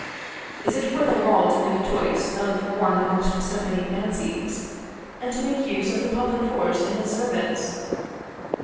Is it for the law to make choice of one amongst so many fancies, and to make use of the public force in its service?